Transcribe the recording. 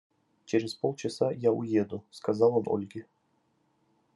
– Через полчаса я уеду, – сказал он Ольге.